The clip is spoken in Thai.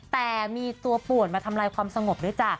แต่มีตัวปวดมาทำลายความสงบหรือจ๊ะ